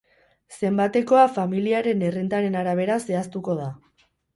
Zenbatekoa familiaren errentaren arabera zehaztuko da.